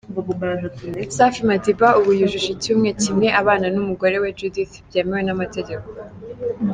Safi Madiba ubu yujuje icyumwe kimwe abana n’umugore we Judith byemewe n’amategeko.